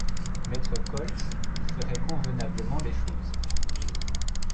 Maître Koltz ferait convenablement les choses.